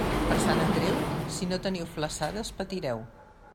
Per Sant Andreu, si no teniu flassades, patireu.